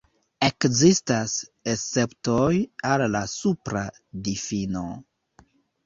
Ekzistas esceptoj al la supra difino.